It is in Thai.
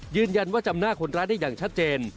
ยืนยันว่าจำหน้าคนร้านได้อย่างชัดเจน